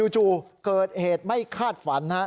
จู่เกิดเหตุไม่คาดฝันนะครับ